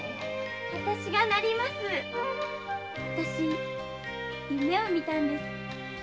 私夢をみたんです。